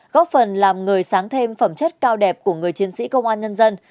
góp phần làm người sáng thêm phẩm chất cao đẹp của người chiến sĩ công an nhân dân